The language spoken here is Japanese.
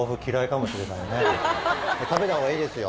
食べたほうがいいですよ